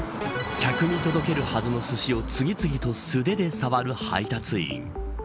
客に届けるはずのすしを次々と素手で触る配達員。